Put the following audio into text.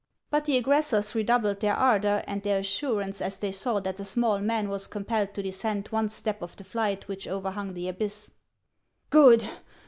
But the aggressors redoubled their ardor and their assurance as they saw that the small man was compelled to descend one step of the flight which overhung the abyss. " Good